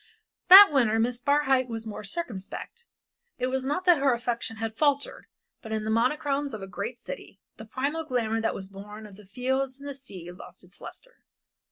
That winter Miss Barhyte was more circumspect. It was not that her affection had faltered, but in the monochromes of a great city the primal glamour that was born of the fields and of the sea lost its lustre.